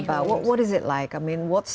maksud saya apakah mereka mendapatkan